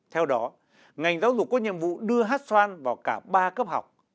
theo đó ngành giáo dục có nhiệm vụ đưa hát xoan vào cả ba cấp học